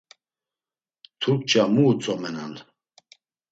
Turkça mu utzomenan.